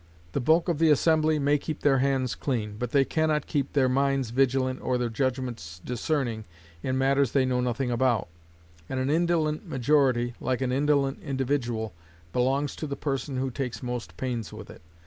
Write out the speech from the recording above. The bulk of the assembly may keep their hands clean, but they can not keep their minds vigilant or their judgments discerning in matters they know nothing about; and an indolent majority, like an indolent individual, belongs to the person who takes most pains with it.